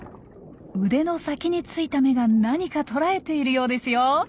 腕の先についた目が何か捉えているようですよ。